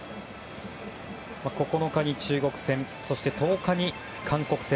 ９日に中国戦１０日に韓国戦。